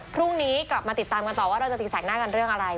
พรุ่งนี้กลับมาติดตามกันต่อว่าเราจะตีแสกหน้ากันเรื่องอะไร